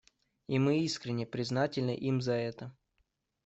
И мы искренне признательны им за это.